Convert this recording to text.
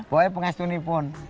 pokoknya pengasuh ini pun